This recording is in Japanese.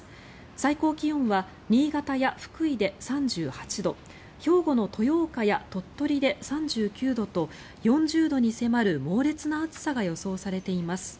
最高気温は新潟や福井で３８度兵庫の豊岡や鳥取で３９度と４０度に迫る猛烈な暑さが予想されています。